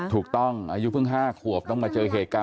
ถูกต้องอายุเพิ่ง๕ขวบต้องมาเจอเหตุการณ์